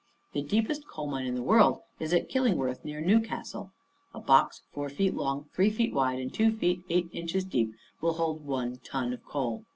The deepest coal mine in the world is at Killingworth, near Newcastle. A box four feet long, three feet wide, and two feet eight inches deep will hold one ton of coal.